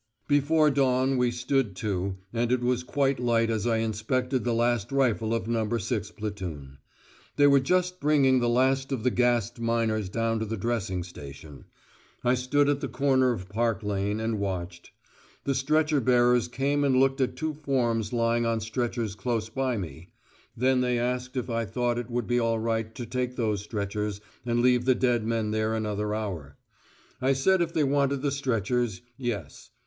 Before dawn we "stood to," and it was quite light as I inspected the last rifle of No. 6 Platoon. They were just bringing the last of the gassed miners down to the dressing station. I stood at the corner of Park Lane, and watched. The stretcher bearers came and looked at two forms lying on stretchers close by me; then they asked me if I thought it would be all right to take those stretchers, and leave the dead men there another hour. I said if they wanted the stretchers, yes.